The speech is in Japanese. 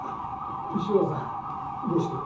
石原さんどうして？